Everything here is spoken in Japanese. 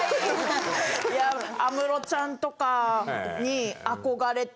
いや安室ちゃんとかに憧れて。